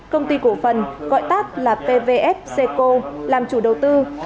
công ty cổ phần gọi tác là pvf ceco làm chủ đầu tư